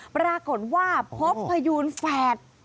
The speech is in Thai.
ปรากฏว่าพบพยูนแฝด